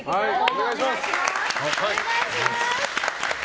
お願いします。